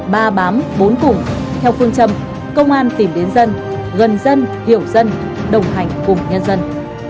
ba bám bốn cùng theo phương châm công an tìm đến dân gần dân hiểu dân đồng hành cùng nhân dân